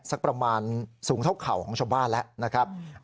สักประมาณสูงเท่าเข่าของชาวบ้านแล้วนะครับ